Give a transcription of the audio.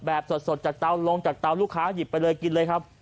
สดจากเตาลงจากเตาลูกค้าหยิบไปเลยกินเลยครับ